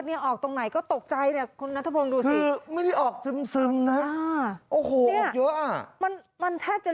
ตอนก่อนที่ว่าจะออกแบบนี้เป็นสีตังค์นะครับ